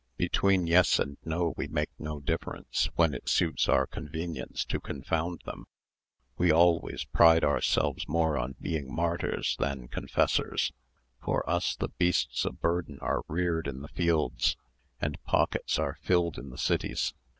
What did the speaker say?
"Between yes and no we make no difference when it suits our convenience to confound them; we always pride ourselves more on being martyrs than confessors. For us the beasts of burden are reared in the fields, and pockets are filled in the cities.